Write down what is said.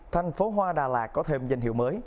thành phố hoa đà lạt có thêm danh hiệu mới